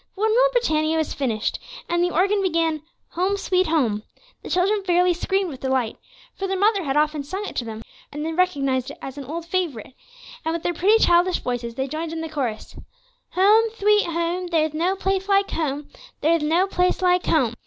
But when "Rule Britannia" was finished, and the organ began "Home, sweet Home," the children fairly screamed with delight; for their mother had often sung it to them, and they recognized it as an old favorite; and with their pretty, childish voices, they joined in the chorus: "Home, sweet home, there's no place like home, there's no place like home."